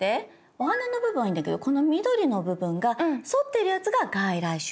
お花の部分はいいんだけどこの緑の部分が反っているやつが外来種。